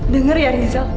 dengar ya rizal